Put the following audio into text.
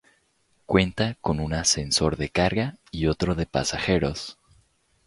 Cuenta con un ascensor de carga y otro de pasajeros.